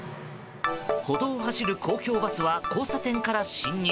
歩道を走る公共バスは交差点から進入。